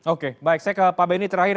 oke baik saya ke pak benny terakhir